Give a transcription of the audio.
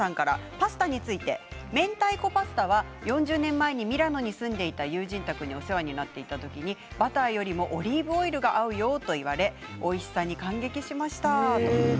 パスタについてめんたいこパスタは、４０年前にミラノに住んでいた友人宅にお世話になっていた時にバターよりもオリーブオイルが合うよと言われおいしさに感激しました。